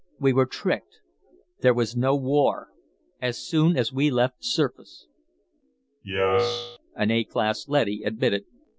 We were tricked. There was no war. As soon as we left the surface " "Yes," an A class leady admitted.